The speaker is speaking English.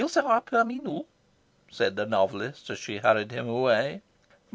Il sera parmi nous," said the novelist, as she hurried him away.